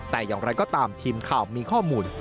แต่อย่างไรก็ตามทีมข่าวมีข้อมูล